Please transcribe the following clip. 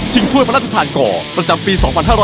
ถ้วยพระราชทานก่อประจำปี๒๕๕๙